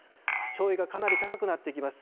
潮位がかなり高くなってきます。